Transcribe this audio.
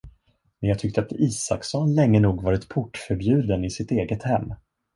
Men jag tyckte att Isaksson länge nog varit portförbjuden i sitt eget hem.